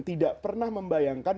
tidak pernah membayangkan